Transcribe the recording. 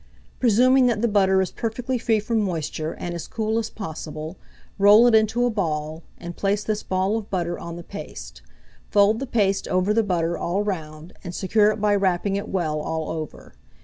Presuming that the butter is perfectly free from moisture, and as cool as possible, roll it into a ball, and place this ball of butter on the paste; fold the paste over the butter all round, and secure it by wrapping it well all over.